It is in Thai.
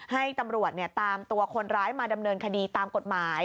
ให้ตำรวจตามตัวคนร้ายมาดำเนินคดีตามกฎหมาย